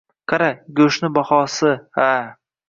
Qara, go`shtni bahosi ha